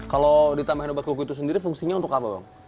kalau ditambahin obat kuku itu sendiri fungsinya untuk apa bang